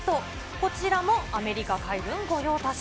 こちらもアメリカ海軍御用達。